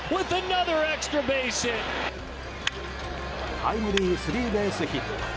タイムリースリーベースヒット。